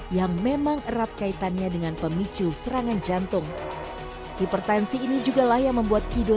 yang memang erat kaitannya dengan pemicu serangan jantung hipertensi ini juga lah yang membuat kidul